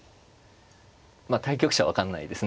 まあ対局者は分かんないですね